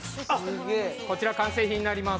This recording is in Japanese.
こちら完成品になります。